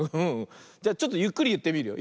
じゃちょっとゆっくりいってみるよ。